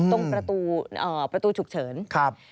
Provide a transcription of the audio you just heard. ตรงประตูฉุกเฉินครับ